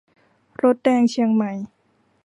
รถแดงเชียงใหม่